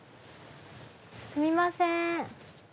すみません。